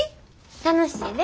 楽しいで。